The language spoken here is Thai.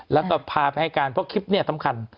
แล้วก็พาไปให้การเพราะคลิปนี้สำคัญ